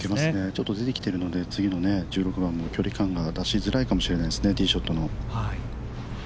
ちょっと出てきているので、次の１６番も距離感が出しづらいかもしれないですね、ティーショットの。